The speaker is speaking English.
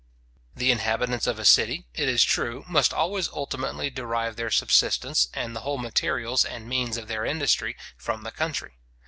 The inhabitants of a city, it is true, must always ultimately derive their subsistence, and the whole materials and means of their industry, from the country.